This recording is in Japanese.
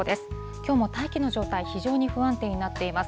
きょうも大気の状態、非常に不安定になっています。